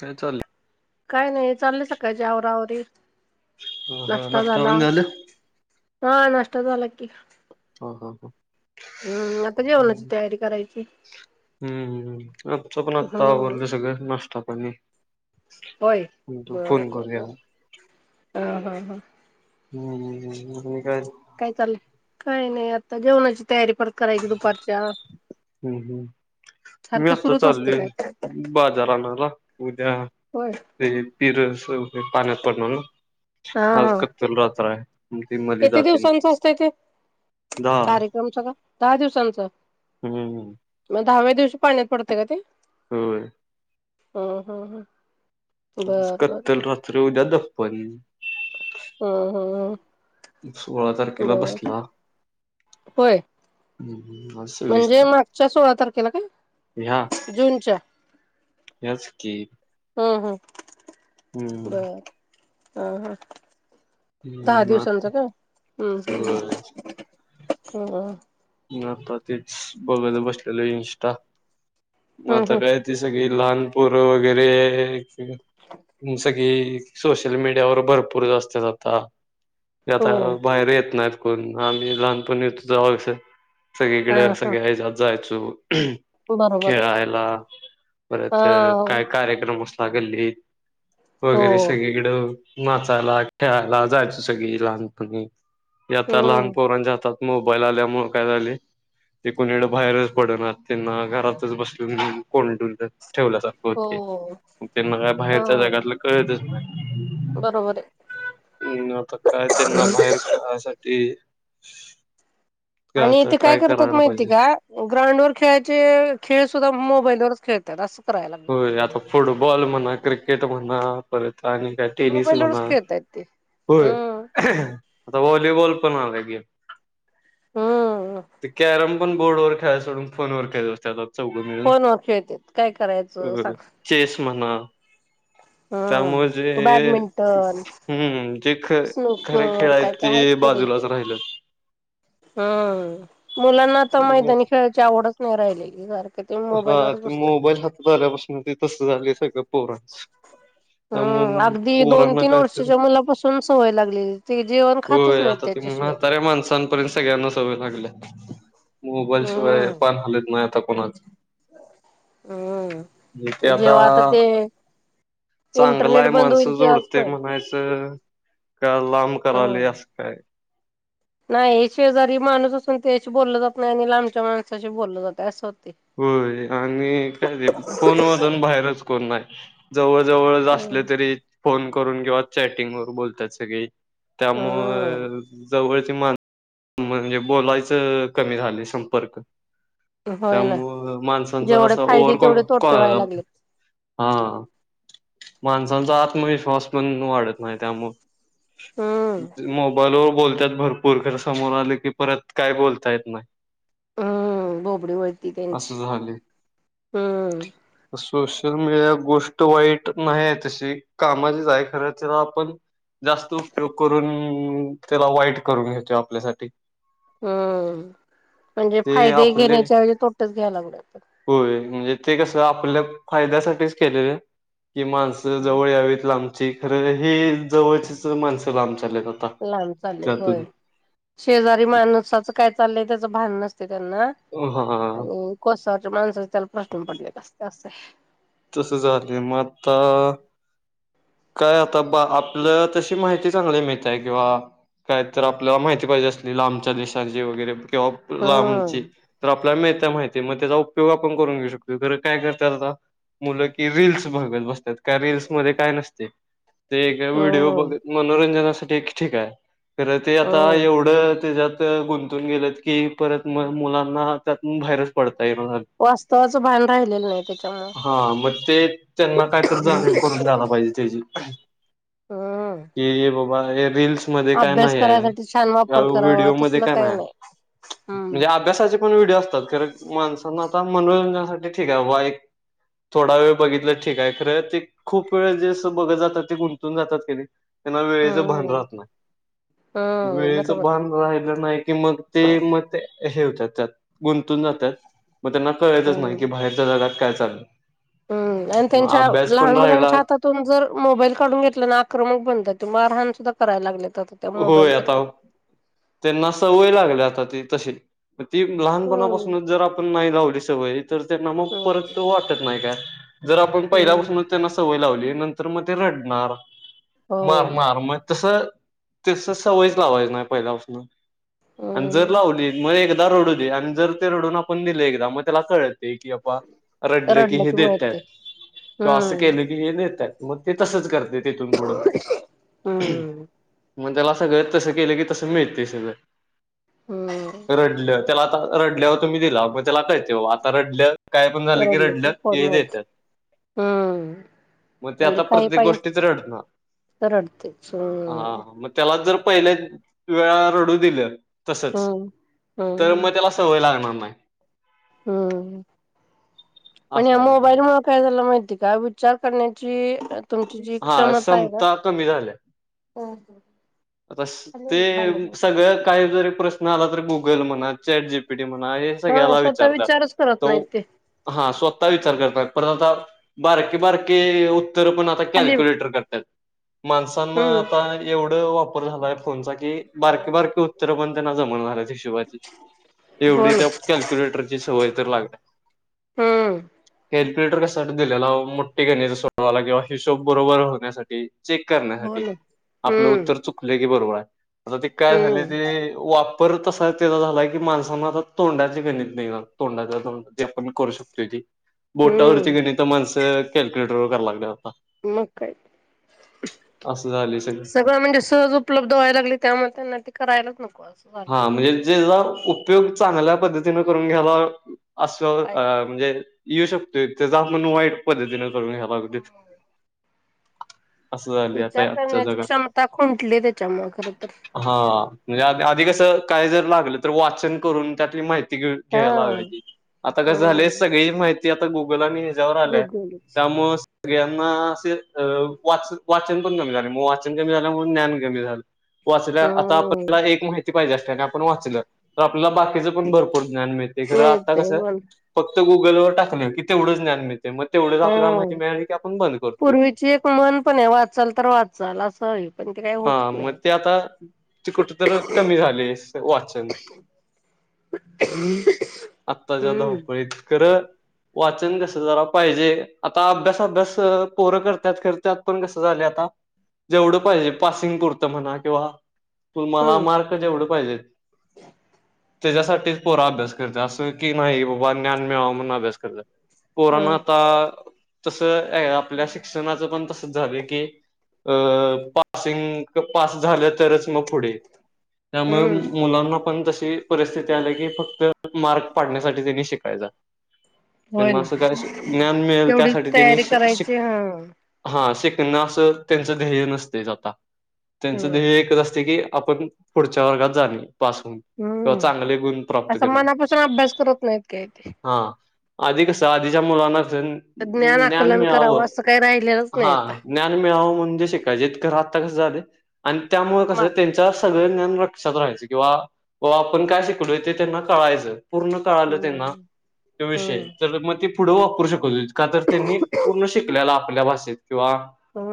काय चालेल काय नाही चाललं सकाळचे आवरावरी ह हा नष्ट आ झाल हा नष्टा झा झाला की ह हा ह हम्म आता जेवणाची तयारी करायची हम् हम् आच पण आत्ता हम्म आवरलं सगळ नाष्टा पाणी होय क तु बर फोन बर करूया हम् हा हा हा ह [unintelligible] अ काय काय चाल काही नाही आता जेवणाची तयारी परतय करायची दुपारच्या हम्म हम्म मी सारखं आता सुरूच असते चालोय काय तर. बाजार आणयला उद्या होय ते पीर पाण्यात पडणार हा आज हा कत्तल रात्र हाय किती दिवसांचं असतंय ते दहा कार्यक्रम सगळं दहा दिवसांचां हम्म दहाव्या दिवशी पाण्यात पडतय का ते होय हम हम् हम् [unintelligible] बर बर कत्तल बर रात्र उद्या दप्पन हम हम सोळा तारखेला बसला. होय. हम्म आज सव्वीस म्हणजे तारीख मागच्या सोळा तारखेला काय जूनच्या याच की. हं हं! हूं! बर हा हा! दहा मा दिवसांचा का? ह हम्म व्हय हम्म म आता तेच बघत बसलेलो, इनस्टा मग हम्म आता हम्म काय ती सगळी लहानपोर वगैरे सगळी सोशल मीडियावर भरपूर जास्त जाता. हो आता बाहेर येत नाहीत कोण आम्ही लहानपणी यथ जावाच हा सगळीकडे हा सगळ्या ह्याला जायचो बरोबर आहे खेळायला परत हा काय कार्यक्रम असला गल्लीत हो वगैरे सगळीकडं नाचायला खेळायला जायचो सगळी लहानपणी आता लहान हम्म पोरांच्या हातात मोबाईल आल्या मूळ. काय झाले ते कुणीकड बाहेरच पडणार त्यांना घरातच बस कोंडून ठेवल्या जात होते, हो तेणा काय हा बाहेरच्या जगातलं कळतच नाय. बरोबर आहे न आता काय त्यांना बाहेर काढायसाठी [inaudible] आणि ते काय करतात माहिती आहे का ग्राउंड वर खेळायचे खेळ सुद्धा मोबाईलवरच खेळत्यात असं. करायला लागलं. होय आता फुटबॉल म्हणा क्रिकेट म्हणा परत काय टेनिस मोबाईलवरच म्हणा खेळतायत ते होय हम्म आता फ्री बॉल पण आला की हम्म ते कॅरम पण बोर्डवर खेळाय सोडून फोनवर खेळत बसत्यात आता फोन व खेळत्यात काय करायचं. वगर सांग चेस म्हणा त्यामुळ जे हम्म हे बॅडमिंटन हूं जे ख खरे स्नूकर खेळाय ते ते बाजूलाच राहिलं. ह मुलांना आता मैदानी खेळाची आवडच नाही राहिली. हा ते मोबाईल हातात आल्यापासून ते तस झालय सगळं पोरांच ह त्यामुळं अगदी दोन पोरांना तीन कायतर वर्षाच्या मुलापासून सवय लागलेली, ती जेवण खातच होय नाही आता ते म्हाताऱ्या माणसांपर्यंत सगळ्यांना सवई लागल्या, मोबाईलशिवाय हम्म पाण हालत नाही, आता कोणाच. हम्म जीथे आता जेव्हा ते इंटरनेट चांगलंय बंद होईल माणसं तेव्हाच जोडतय कळेल. म्हणायचं. का लांब कराली हम्म असं काय. नाही हे शेजारी माणूस असून त्यायाशी बोललं जात नाही, आणि लांबच्या माणसाशी बोललं जात असं होत होय आणि काय ते फोन मधून बाहेरच कोण नाय. जवळ, जवळच असले हम्म तरी फोन करून किंवा चॅटिंग वरं बोलतात सगळी. हम्म त्यामुळं जवळच माणसं म्हणजे बोलायच कमी झाले संपर्क. होय ना त्यामुळ माणसांचा जेवढे असं फायदे ओवरकॉन तेवढे काँ तोटे व्हायला लागलेत. हा! माणसांचा आत्मविश्वास पण वाढत नाही हम्म त्यामुळं मोबाईलवर बोलतात भरपूर, खर समोर आले की परत काय बोलता येत नाही हूं बोबडी वळती त्यांची असं झाले हूं! सोशल मीडिया गोष्ट वाईट नाही आहे तशी कामाचीच आहे खर तिला आपण जास्त उपयोग करून, त्याला वाईट करून घेतोय आपल्यासाठी. हम्म म्हणजे ते फायदे आपले घेण्याच्या ऐवजी तोटाच घ्यायला लागलोय होय म्हणजे ते कस आपल्या फायद्यासाठीच केले की माणस जवळ यावीत लांब हे खर हे जवळच माणस लांबची लांब चाललेत होय शेजारी माणसाचं काय चाललंय त्याच भान नाही त्यांना हा आणि कोसावरच्या माणसाचे त्याला प्रश्न पडले असच असतय तसं झाले मग आता काय आता बा आपल्या तशी माहिती चांगली मिळतय किंवा काय तर आपल्याला माहिती पाहिजे असली लांबच्या देशांची वगैरे किंवा लांबची हम्म तर आपल्याला मिळतंय माहितीय मग त्याचा उपयोग आपण करून घेऊ शकतो तर काय करतात आता मुलं की रीलस बघत बसतात का रीलसमध्ये काय नसत व्हिडिओ हम्म बघत मनोरंजनासाठी एक ठीक आहे खंर ते आता हम्म एवढं त्याच्यात गुंतून गेल की परत मुलांना त्यात बाहेरचं पडत वास्तवाचं भान राहिलेलं नाही त्याच्यामुळं हा मग ते त्यांना कायतरी जाणीव करून द्यायला पाहिजे त्याची हम्म की बघ की बाबा हे रील म्हणजे का अभ्यास नाही करायसाठी छान वापर करावा व्हिडिओ मध्ये तसलं काय काही नाही हम्म म्हणजे अभ्यासच पण व्हिडिओ असतात खरं माणसांना आता मनोरंजनासाठी ठीक आहे बाबा एक थोडा वेळ बघितलं ठीक आहे खरं ते खूप वेळ जे बघ जातात ते गुंतून जातात त्यांना वेळेच भान हम्म राहत नाही हम्म वेळेचं बरोबर आहे भान राहिलं नाही कि मग ते मग ते हे होतात त्यात गुंतून जातात मग त्यांना कळायचच नाही हम्म की बाहेरच्या जागात काय चालू हम्म आणि त्यांच्या लहान मुलांच्या हातातून जर मोबाईल काढून घेतल्या ना आक्रमक बनतात मारहण सुद्धा करायला लागले होय आता त्यांना सवय लागली आता ती तशी मग ती हम्म. लहानपणापासूनच जर आपण नाही लावली सवय तर त्यांना मग परत हम्म वाटत नाही काय जर आपण हम्म पहिल्यापासूनच त्यांना सवय लावली नंतर मग ते रडणार होय मार मार मग तस तस सवयच लावायचं नाही पहिल्यापासून आणि जर हम्म लावली म एकदा रडू दे आणि जर ते रडून आपण दिले एकदा मग त्याला कळेल दे की बाबा रडलं की हे देतायत किंवा अस हम्म केल की हे देतायत मग ते तसंच करते तेिथून पुढं हम्म मग त्याला असं ग [unintelligible] [unintelligible] त तसं केलं की तसं मिळते सगळ हम्म रडलं त्याला आता रडल्यावर तुम्ही दिला म्हणजे त्याला [unintelligible] कायच आता रडलं काय पण झालं की रडलं ते देतात हम मग ते म्हणजे आता काही प्रत्येक पाहिजे गोष्टीच असत रडणार तर रडतेच हा हम मग त्याला जर पहिल्या वेळा रडू दिले तसच हम्म. तर हम्म मग त्याला सवय लागणार नाही हम्म आणि असं अम् आहे बाहेर म काय झाला माहिती त काय विचार करण्याची तुमची जी हा क्षमता आहे का कमी झाल्या हो हो आता ते सगळं काही जरी प्रश्न आला तर गुगल म्हणा चॅट जीपी म्ह हा स्याला स्वतः विचारच विचारतात करत नाहीत ते हा स्वतः विचार करतात पण आता बारके बारके उत्तर पण आता खाली कॅल्क्युलेटर करतात माणसां म हम्म आता एवढा वापर झालाय फोनचा की बारकी बारकी चित्र पण त्यांना जमव झा हिशोबाची हो एवढी ना त्या कॅल्क्युलेटरची सवय तर लागल्या हम्म फिल्टर कशासाठी दिलेला मोठे घचा सोडवाला किंवा हिशोब बरोबर होण्यासाठी चेक हो करण्यासाठी ना आपलं हम्म उत्तर चुकले की बरोबर आहे आता ते काय झाली हम्म ते वाप पर तसा त्याचा झाला की माणसाांना आता तोंडाचे गणित नाही तोंडाचा तोंड जे आपण करू शकतोयी बोटावरची हम्म गेणी तर माणसं कॅल्क्युलेटर व कराय लागलं मग काही असं झाले सगळं म्हणजे सहज उपलब्ध व्हाय लागली त्यामुळे त्यांना ते करायच नं हा म्हणजे जेचा उपयोग चांगल्या पद्धतीने करून घ्यायला असं पाहिजे म्हणजे येऊ शकतो त्या जात म्हणून वाईट पद्धतीने हवा उद्दित विचार करण्याची जगात क्षमता खुंटली त्याच्यामु खर तर हा म्हणजे आधी कसं काय जर लागलं तर वाचन करून त्यातली माहिती हा यता क झा हम्म सग माहि गलांनी जवर आल्याय गुगलच त्यामुळे सगळ्यांना असे वाच वाचन पण कमी झाले म वाचन कमी झाल्यामुळेणून ज्ञान कमी झालं वाचल्या आता हम्म आपल्याला एक माहिती पाहिजे असल्याने आपण वाचलं आपला बाकीचं पण भरपूर ज्ञान मिळते खरं आता मिळतय कसं पण गुगलवर टाकल की तेवढच ज्ञान मि हम करतोय. पूर्वीची एक मन पण आहे वाचाल तर वाचाल असं पण ते काही हा होतच नाही मग ते आता तिकट तर कमी झाले वाचन आत्ताच्याधव हम्म पळीतकर वाचन कसं झालं पाहिजे आता अभ्यास अभ्यास पोरं करतात करतत पण कसं झालं आता जेवढं पाहिजे पासिंग पुरतं म्हणा किंवा तु मला मार्क जेवढं पाहिजे हो त्याच्यासाठीच पोरा अभ्यास करत असं की नाही बाबा ज्ञान मिळावं म्हणून अभ्यास करत हा कोरोना आता तस आपल्या शिक्षणाच पण तसच झालं की अ पासिंग पास झालं तरच मग पुढे त्यामुळे हम्म मुलांना पण तशी परिस्थिती आली की फक्त मार्क पाडण्यासाठी त्यांनी शिकायचा होय त्यांना ना असं काय ज्ञान मिळेल तेवढीच त्यासाठी त्यांनी तयारी शिक करायची हा. हा शिक त्यांना अस त्यांच ध्येय नसते आता त्यांच होय. ध्येय एकच असते की आपण पुढच्या वर्गात झाली पासून किंवा हम्म चांगले गुण प्राप्त असं करून मनापासून अभ्यास करत नाहीत काय ते. हा आधी कसं आधीच्या मुलांना क ज्ञान आकलन करावं मिळावं असं काही राहिलेलंच नाही आता हा ज्ञान मिळावं म्हणजे शिकायचें झा आणि त्यामुळे कस मार्केट त्यांच्या सगळ जान लक्षात राहायचं किंवा आपण काय शिकलो ते त्यांना कळायचं पूर्ण काळालं ते ना हम्म. तो विषय हम्म तर मग ते पुढे वापरू शकत का तर त्यांनी पूर्ण शिकलेला आपल्या भाषेत किंवा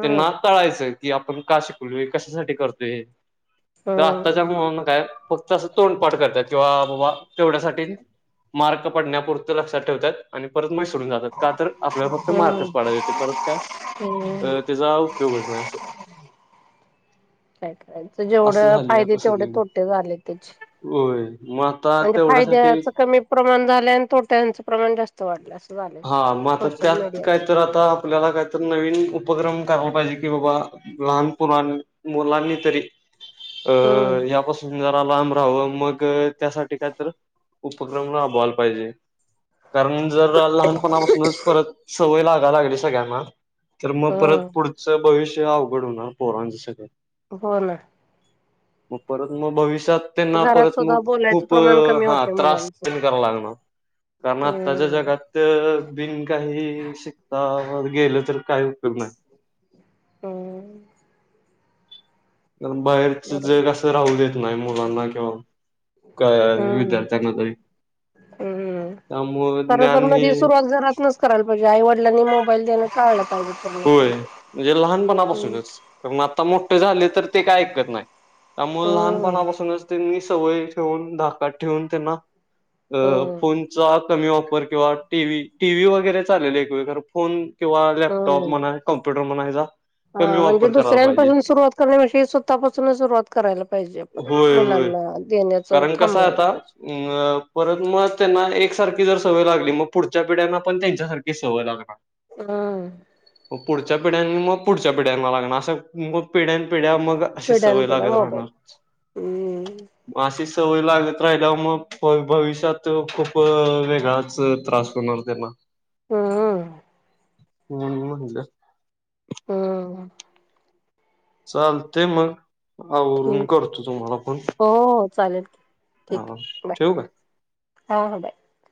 त्यांना कळायचंय कि आपण का शिकलोय कशासाठी करतोय तर आत्ताच्या हम्म मुळं म काय फक्त असं तोंडपाड करतात. किंवा बाबा तेवढ्यासाठी मार्क पडण्यापुरत लक्षात ठेवतत आणि परत सोडून जातात का तर आपल्याला फक्त मार्कच हम्म पाडात येते परत काय. हम्म. अ त्याचा उपयोगच नाही असं. काय करायच असं जेवढं झाले फायदे आता तेवढे सगळीकडे तोटे झाले त्याचे होय मग आता म्हणजे तेवढ्यासाठी फायद्याच कमी प्रमाण झालं आणि तोट्यांच प्रमाण जास्त वाढलं असं झालं. हा मग आ त्यात काहीत आता आपल्याला काहीत नवीन उपक्रम करायला पाहिजे. की बाबा लहानप मुलांनी तरी अ हम्म यापासून लाब राहावं मग त्यासाठी काय तर उपक्रम राबवायला पाहिजे कारण जर लहानपणापासूनच परत सवय लागा लागली सगळ्यांना. तर मग परत हम्म पुढचं भविष्य अवघड होणार पोरांच सगळ. बोला मग परत मग भविष्यात त्यांना घरात परत सुद्धा मग बोलायचं खूप प्रमाण कमी हा होते त्रास मुलांचं. करा लागणार. कारण आत्ताच्या हम्म जगात बिनकाही शिकता गेलं तर काही उपयोग नाही. हम्. कारण बाहेरच बरोबर जग असं राहू देत नाही मुलांना किंवा काय हम्म विद्यार्थ्यांना तरी हम्म खर तर ज्ञान मग हे ह सुरवात जरातनच करायला पाहिजे आईडिलांनी मोबाईल देणं काळलं. होय म्हणजे हम्म लहानपणापासूनच कारण आता मोठे झाले तर ते काय ऐकत नाही. त्यामुळे हम्म लहानपणापासूनच त्यांनी सवय ठेवून धाकात ठेवून त्यांना अ फोनचा. कमी वापर किंवा टी व्ही टी व्ही वगैरेचाले एक फोन किंवा लॅपटॉप टॉप हम्म म्हणा कम्प्युटर म्हणाय जा. हा म्हणजे दुसऱ्यांपासून सुरुवात करण्याष स्वतःपासून सुरुवात करायला पाहिजे आपण क मुलां म कारण कसय आता परत मस एक सारखी जर सवय लागली मग पुढच्या पिढ्यांना पण त्यांच्यासारखी सवय लागणार. हा. पुढच्या पिढ्या्यां मग पुढच्या पिढ्या्यां मग लागणार असं मु पिढ्या पिढ्या म अ पिढ्यान सवय लाग पिढ्या मोबाईल राहणार. हम्म सवय लागत राहिल्यावर मग भविष्यात खूप वेगळाच त्रास होणार त्यांना. हम. मन म्हणलं. हम्. चालते मग. आवरून ठीक करतो तुम्हाला फोन हो हो चालेल ठीक ह बाय ठेवू का. हा ह बाय